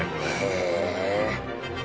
へえ。